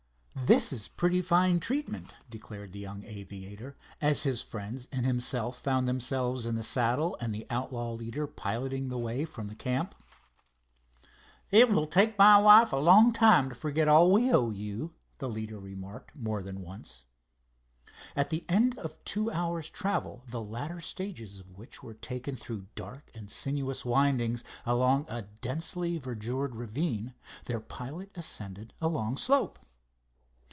"This is pretty fine treatment," declared the young aviator, as his friends and himself found themselves in the saddle and the outlaw leader piloting the way from the camp. "It will take my wife a long time to forget all we owe you," the leader remarked more than once. At the end of two hours' travel, the latter stages of which were taken through dark and sinuous windings along a densely verdured ravine, their pilot ascended a long slope.